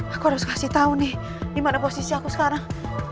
aku harus kasih tau nih dimana posisi aku sekarang